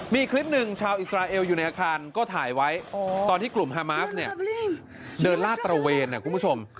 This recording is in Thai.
มีคลิปหนึ่งชาวอิสราเอลอยู่ในอาคารก็ถ่ายไว้ตอนที่กลุ่มฮามาสเนี่ยเดินลาดตระเวนนะคุณผู้ชม